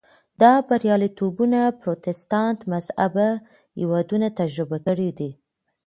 دا بریالیتوبونه پروتستانت مذهبه هېوادونو تجربه کړي دي.